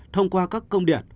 thông qua các công điện